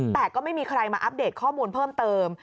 แต่ก็ไม่มีใครมาอัปเดตข้อมูลเพิ่มเติม